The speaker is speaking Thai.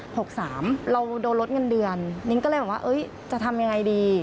เราโดนลดเงินเดือนนิงก็เลยบอกว่าเอ้ยจะทำยังไงดี